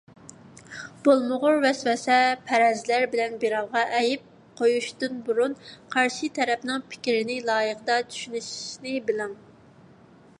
بولمىغۇر ۋەسۋەسە، پەرەزلەر بىلەن بىراۋغا ئەيىب قويۇشتىن بۇرۇن قارشى تەرەپنىڭ پىكرىنى لايىقىدا چۈشىنىشنى بىلىڭ.